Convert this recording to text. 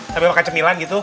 sambil makan cemilan gitu